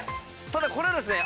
ただこれはですね